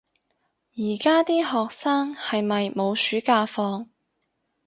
而家啲學生係咪冇暑假放